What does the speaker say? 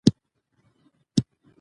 مېله د ژوند د خوښیو ننداره ده.